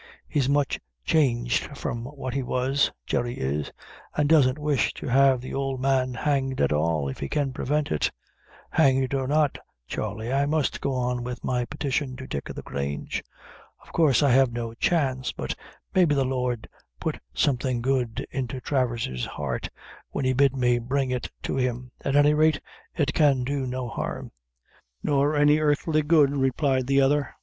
He's much changed from what he was Jerry is an' doesn't wish to have the old man hanged at all, if he can prevent it." "Hanged or not, Charley, I must go on with my petition to Dick o' the Grange. Of course I have no chance, but maybe the Lord put something good into Travers's heart, when he bid me bring it to him; at any rate it can do no harm." "Nor any earthly good," replied the other.